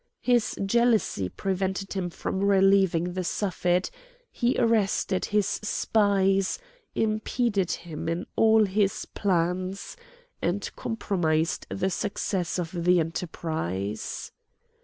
His jealousy prevented him from relieving the Suffet; he arrested his spies, impeded him in all his plans, and compromised the success of the enterprise.